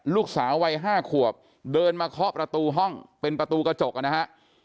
ลูกสาววัย๕ขวบเดินมาเคาะประตูห้องเป็นประตูกระจกนะฮะ